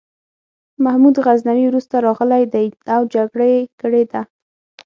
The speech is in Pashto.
محمود غزنوي وروسته راغلی دی او جګړه یې کړې ده.